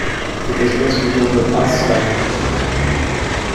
Cette espèce mesure de à sans la queue.